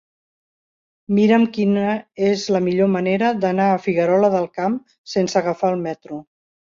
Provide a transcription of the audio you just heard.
Mira'm quina és la millor manera d'anar a Figuerola del Camp sense agafar el metro.